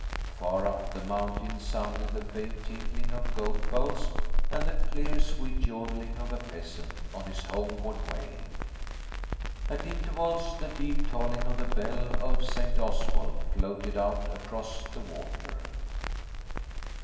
Far up the mountain sounded the faint tinkling of goat bells, and the clear, sweet yodelling of a peasant, on his homeward way. At intervals, the deep tolling of the bell of St. Oswald floated out across the water.